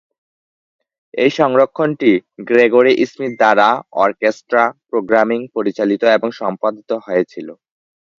এই সংস্করণটি Gregory Smith দ্বারা অর্কেস্ট্রা, প্রোগ্রামিং, পরিচালিত এবং সম্পাদিত হয়েছিল।